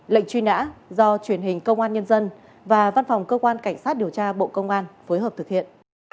lệnh truy nã do truyền hình công an nhân dân và văn phòng cơ quan cảnh sát điều tra bộ công an phối hợp thực hiện